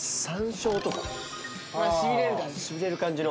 しびれる感じの。